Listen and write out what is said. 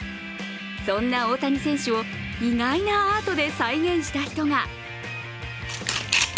そんな大谷選手を意外なアートで再現した人が。